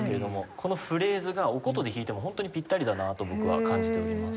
このフレーズがお箏で弾いてもホントにピッタリだなと僕は感じております。